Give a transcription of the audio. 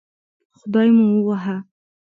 خدای مو ووهه